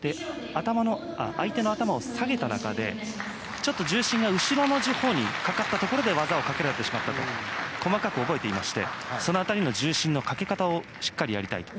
相手の頭を下げた中でちょっと重心が後ろの方にかかったところで技をかけられてしまったと細かく覚えていましてその辺りの重心のかけ方をしっかりやりたいと。